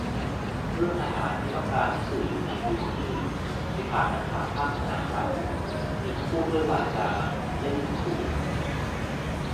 เรื่องทหารไม่ต้องการให้สื่ออยู่ในพื้นที่ ให้ถามนักข่าวภาคสนามครับ มีทั้งพูดด้วยวาจา และยิงขู่